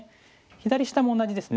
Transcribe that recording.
左下も同じですね。